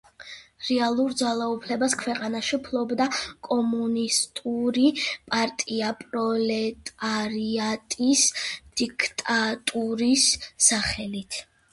რეალურ ძალაუფლებას ქვეყანაში ფლობდა კომუნისტური პარტია, პროლეტარიატის დიქტატურის სახელით.